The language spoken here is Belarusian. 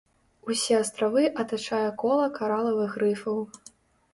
Усе астравы атачае кола каралавых рыфаў.